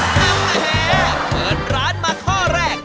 อัพเมอร์แฮเปิดร้านมาข้อแรก